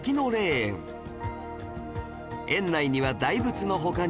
園内には大仏の他にも